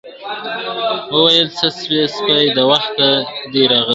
ویل څه سوې سپی د وخته دی راغلی !.